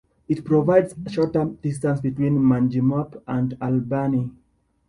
It provides a shorter distance between Manjimup and Albany.